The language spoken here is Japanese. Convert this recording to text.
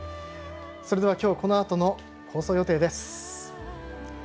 それでは今日このあとの放送予定です。